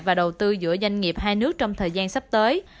và đầu tư giữa doanh nghiệp hai nước trong thời gian sắp tới